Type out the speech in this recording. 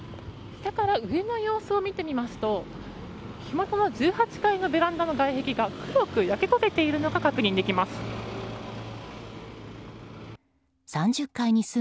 下から上の様子を見てみますと火元の１８階のベランダの外壁が黒く焼け焦げているのが確認できます。